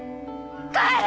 帰れ！